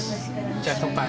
じゃあ乾杯。